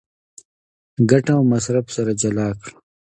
ګټه او مصرف سره جلا کړه.